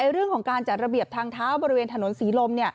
เรื่องของการจัดระเบียบทางเท้าบริเวณถนนศรีลม